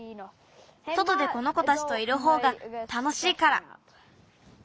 そとでこの子たちといるほうがたのしいから。